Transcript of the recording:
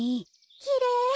きれい！